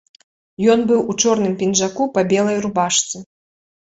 Ён быў у чорным пінжаку па белай рубашцы.